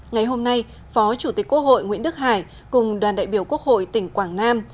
ngày hôm nay phó chủ tịch quốc hội nguyễn đức hải cùng đoàn đại biểu quốc hội tỉnh quảng nam